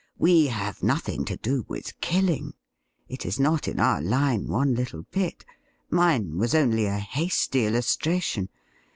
'We have nothing to do with killing. It is not in our line one little bit. Mine was only a hasty illustration.